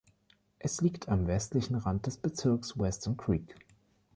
Es liegt am westlichen Rand des Bezirks Weston Creek.